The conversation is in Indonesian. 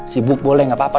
sibuk boleh gak apa apa